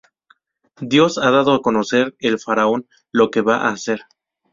Dios ha dado a conocer al Faraón lo que va a hacer.